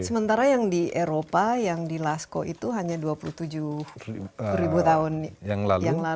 sementara yang di eropa yang di laskow itu hanya dua puluh tujuh ribu tahun yang lalu